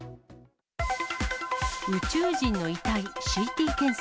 宇宙人の遺体ＣＴ検査。